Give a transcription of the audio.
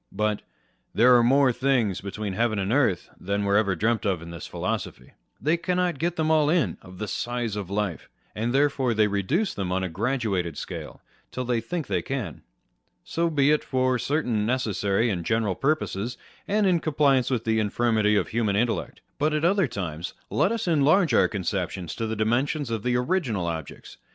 But " there are more things between heaven and earth than were ever dreamt of in this philosophy." They cannot get them all in, of the size of life, and therefore they reduce them on a graduated scale, till they think they can. So be it, for certain necessary and general purposes, and in compliance with the infirmity of human intellect : but at other times, let us enlarge our conceptions to the dimensions of the original objects ; nor 1 Cymbeline, iii.